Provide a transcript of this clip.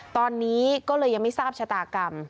ตอนนี้ก็เลยยังไม่ทราบชะตากรรม